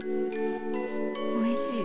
おいしい！